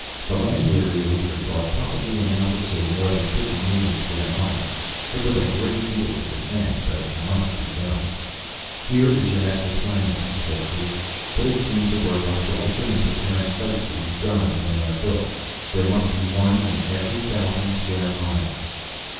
The land area, Weaver thought, probably amounted to more than fifty million square miles. It was a great deal to defend; but it must be done. "Here is your next assignment," He told Luke. "Put a team to work on selecting and preparing sites for these guns, when they are built. There must be one in every thousand square miles...."